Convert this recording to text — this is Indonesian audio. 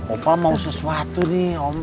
opa mau sesuatu nih